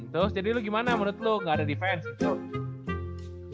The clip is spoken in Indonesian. terus jadi lu gimana menurut lu gaada defense gitu